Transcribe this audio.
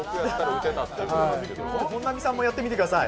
本並さんもやってみてください。